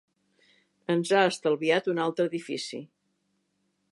Ens ha estalviat un altre edifici.